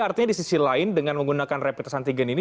artinya di sisi lain dengan menggunakan rapid test antigen ini